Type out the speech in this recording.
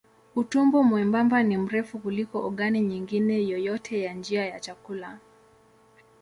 Utumbo mwembamba ni mrefu kuliko ogani nyingine yoyote ya njia ya chakula.